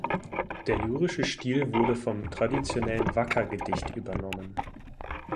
Der lyrische Stil wurde vom traditionellen Waka-Gedicht übernommen.